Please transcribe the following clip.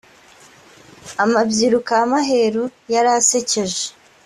amabyiruka yamaheru yarasekeje.